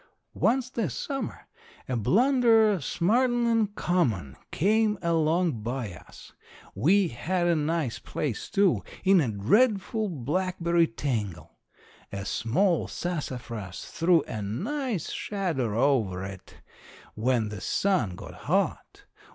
Once this summer a blunderer smarter'n common came along by us. We had a nice place, too, in a dreadful blackberry tangle. A small sassafras threw a nice shadow over it when the sun got hot.